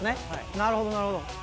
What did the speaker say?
なるほどなるほど。